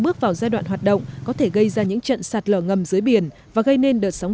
bước vào giai đoạn hoạt động có thể gây ra những trận sạt lở ngầm dưới biển và gây nên đợt sóng